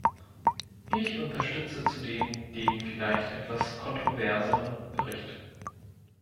Ich unterstütze zudem den vielleicht etwas kontroverseren Bericht.